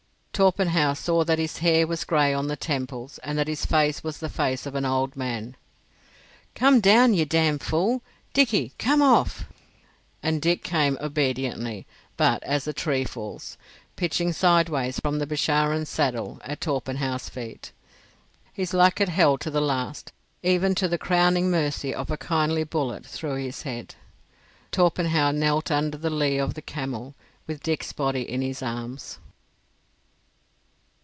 Torpenhow saw that his hair was gray on the temples, and that his face was the face of an old man. "Come down, you damned fool! Dickie, come off!" And Dick came obediently, but as a tree falls, pitching sideways from the Bisharin's saddle at Torpenhow's feet. His luck had held to the last, even to the crowning mercy of a kindly bullet through his head. Torpenhow knelt under the lee of the camel, with Dick's body in his arms.